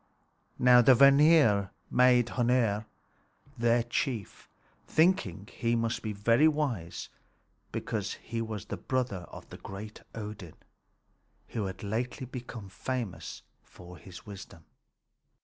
Now the Vanir made Hœnir their chief, thinking that he must be very wise because he was the brother of great Odin, who had lately become famous for his wisdom.